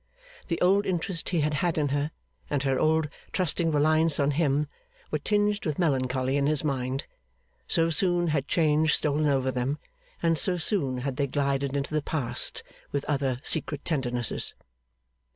The old interest he had had in her, and her old trusting reliance on him, were tinged with melancholy in his mind: so soon had change stolen over them, and so soon had they glided into the past with other secret tendernesses.